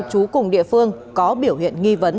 chú cùng địa phương có biểu hiện nghi vấn